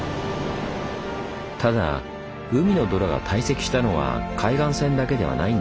ただ海の泥が堆積したのは海岸線だけではないんです。